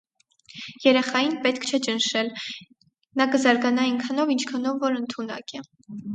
Երեխային պետք չէ ճնշել՝ նա կզարգանա այնքանով, որքանով որ ընդունակ է։